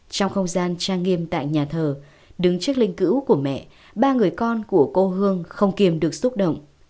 trong không gian trang nghiêm tại nhà thờ đứng trước linh cữu của mẹ ba người con của cô hương không kiềm được xúc động